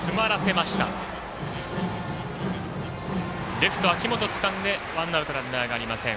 レフト、秋元、つかんでワンアウト、ランナーありません。